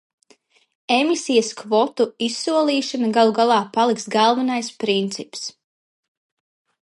Emisijas kvotu izsolīšana galu galā paliks galvenais princips.